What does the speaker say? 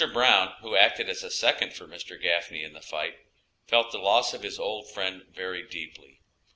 Brown, who acted as a second for Mr. Gafney in the fight, felt the loss of his old friend very deeply.